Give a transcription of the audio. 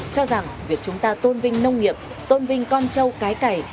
cho rằng việc chúng ta tôn vinh nông nghiệp tôn vinh con trâu cái cày